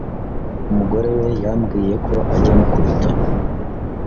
umugore we yambwiyeko ajya amukubita